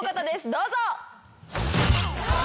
どうぞ！